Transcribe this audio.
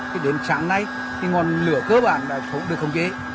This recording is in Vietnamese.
thì đến sáng nay thì ngọn lửa cơ bản đã được khống chế